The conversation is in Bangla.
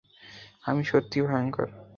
আমি সত্যিই ভয়ংকর।